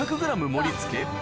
盛り付け